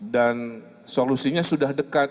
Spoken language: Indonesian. dan solusinya sudah dekat